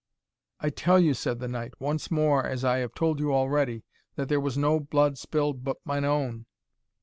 "I tell you," said the knight, "once more, as I have told you already, that there was no blood spilled but mine own!"